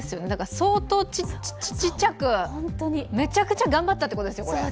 相当ちっちゃく、めっちゃくちゃ頑張ったということですよ、これ。